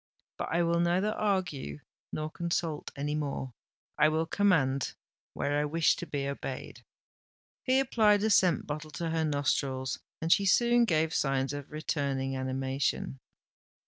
"But I will neither argue nor consult any more—I will command, where I wish to be obeyed." He applied a scent bottle to her nostrils; and she soon gave signs of returning animation.